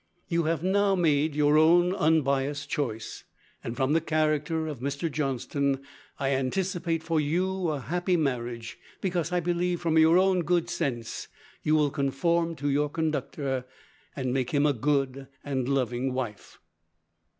You have now made your own unbiased choice; and from the character of Mr. Johnston, I anticipate for you a happy marriage, because I believe from your own good sense, you will conform to your conductor, and make him a good and loving wife."